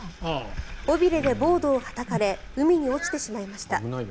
尾びれでボードをはたかれ海に落ちてしまいました。